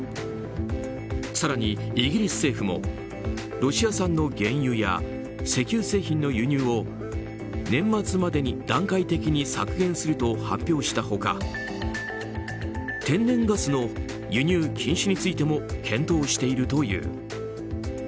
更に、イギリス政府もロシア産の原油や石油製品の輸入を年末までに段階的に削減すると発表した他天然ガスの輸入禁止についても検討しているという。